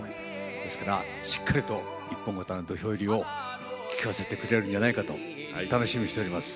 ですからしっかりと「一本刀土俵入り」を聴かせてくれるんじゃないかと楽しみにしております。